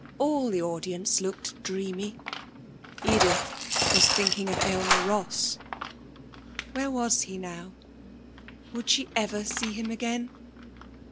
All the audience looked dreamy. Edith was thinking of Aylmer Ross. Where was he now? Would she ever see him again?